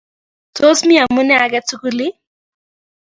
Tos mi amune age tugul ii?